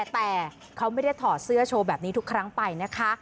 แต่เขาไม่ได้ถอดเสื้อโชว์แบบนี้ทุกครั้งไปนะคะ